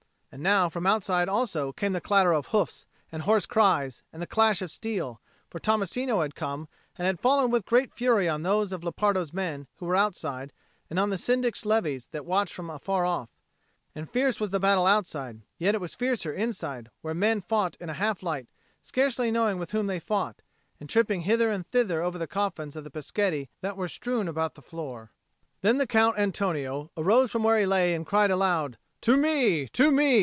And now from outside also came the clatter of hoofs and hoarse cries and the clash of steel; for Tommasino had come, and had fallen with great fury on those of Lepardo's men who were outside and on the Syndic's levies that watched from afar off. And fierce was the battle outside; yet it was fiercer inside, where men fought in a half light, scarcely knowing with whom they fought, and tripping hither and thither over the coffins of the Peschetti that were strewn about the floor. Then the Count Antonio arose from where he lay and he cried aloud, "To me, to me!